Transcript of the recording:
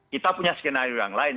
kita punya skenario yang lain